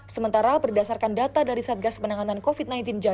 sementara berdasarkan data dari satgas penanganan covid sembilan belas